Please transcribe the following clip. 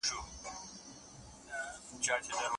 بلکې د ځینو ناروغو ذهنونو، متعصبو کړیو